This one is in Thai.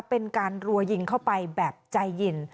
เป็นการรัวยิงเข้าไปแบบใจเย็น